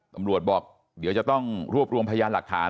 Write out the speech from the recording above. ตำรวจบอกเดี๋ยวจะต้องรวบรวมพยานหลักฐาน